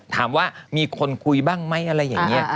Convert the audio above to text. ถามว่ามีคนคุยบ้างไหมอะไรอย่างนี้